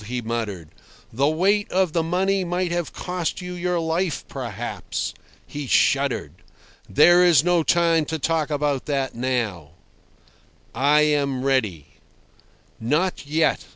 he muttered. "The weight of the money might have cost you your life, perhaps." He shuddered. "There is no time to talk about that now." "I am ready." "Not yet.